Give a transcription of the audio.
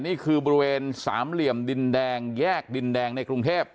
นี่คือบริเวณสามเหลี่ยมดินแดงแยกดินแดงในกรุงเทพ